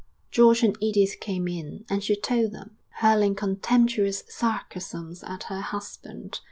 George and Edith came in, and she told them, hurling contemptuous sarcasms at her husband.